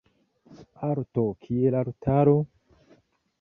Arto kiel altaro?